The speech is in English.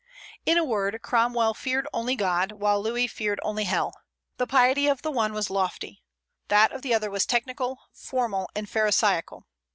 In a word, Cromwell feared only God; while Louis feared only hell. The piety of the one was lofty; that of the other was technical, formal, and pharisaical.